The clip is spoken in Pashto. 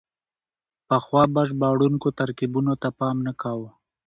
پخوا به ژباړونکو ترکيبونو ته پام نه کاوه.